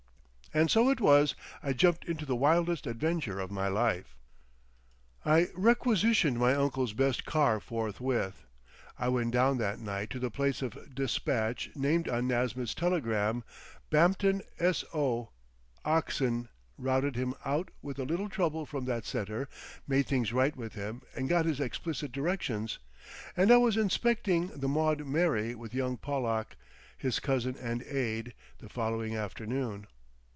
And so it was I jumped into the wildest adventure of my life. I requisitioned my uncle's best car forthwith. I went down that night to the place of despatch named on Nasmyth's telegram, Bampton S.O. Oxon, routed him out with a little trouble from that centre, made things right with him and got his explicit directions; and I was inspecting the Maud Mary with young Pollack, his cousin and aide, the following afternoon.